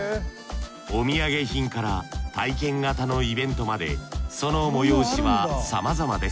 お土産品から体験型のイベントまでその催しはさまざまです。